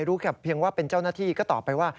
รู้แค่เพียงว่าเป็นเจ้าหน้าที่ก็ต่อไปว่า